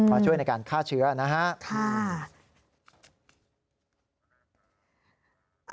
มาช่วยในการฆ่าเชื้อนะฮะค่ะอืมค่ะ